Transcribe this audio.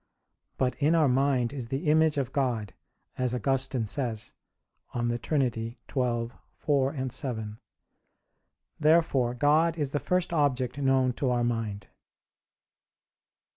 But in our mind is the image of God, as Augustine says (De Trin. xii, 4,7). Therefore God is the first object known to our mind.